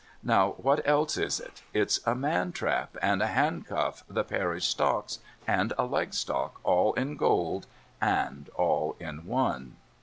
Now what else is it? It's a man trap and a handcuff, the parish stocks and a leg lock, all in gold antl all in one.